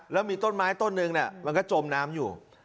แล้วมีต้นไม้ต้นหนึ่งมันก็จมน้ำอยู่